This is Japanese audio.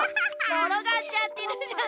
ころがっちゃってるじゃない。